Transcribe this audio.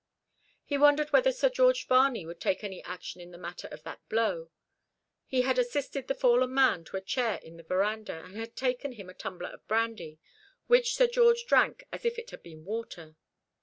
He wondered whether Sir George Varney would take any action in the matter of that blow. He had assisted the fallen man to a chair in the verandah, and had taken him a tumbler of brandy, which Sir George drank as if it had been water.